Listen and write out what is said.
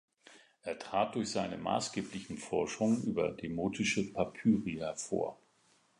Er trat durch seine maßgeblichen Forschungen über demotische Papyri hervor.